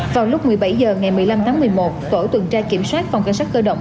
vào lúc một mươi bảy h ngày một mươi năm tháng một mươi một tổ tuần tra kiểm soát phòng cảnh sát cơ động